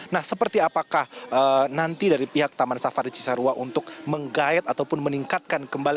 nah seperti apakah nanti dari pihak taman safari cisarua untuk menggayat ataupun meningkatkan kembali